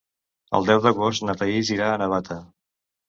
El deu d'agost na Thaís irà a Navata.